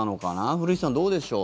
古市さん、どうでしょう。